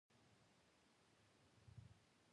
پسه د افغان ماشومانو د لوبو یوه موضوع ده.